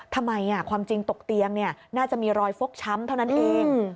ทำไมความจริงตกเตียงน่าจะมีรอยฟกช้ำเท่านั้นเอง